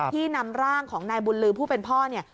นำร่างของนายบุญลือผู้เป็นพ่อเนี่ย